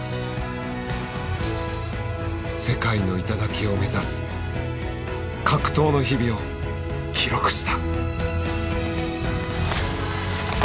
世界の頂を目指す格闘の日々を記録した。